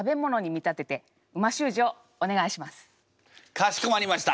かしこまりました！